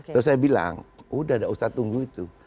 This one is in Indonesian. terus saya bilang udah ustadz tunggu itu